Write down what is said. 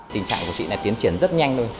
tình trạng của chị này tiến triển rất nhanh thôi